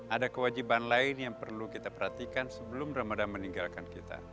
ada kewajiban lain yang perlu kita perhatikan sebelum ramadhan meninggalkan kita